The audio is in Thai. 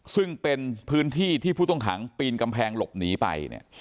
ซึ่งเป็นพื้นที่ที่ผู้ต้องขังปีนกำแพงหลบหนีไปเนี่ย